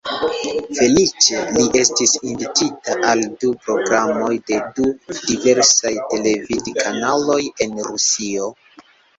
Feliĉe, li estis invitita al du programoj de du diversaj televid-kanaloj en Rusio.